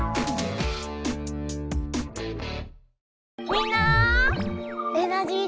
みんなエナジー